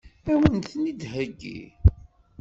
Ad wen-ten-id-theggi?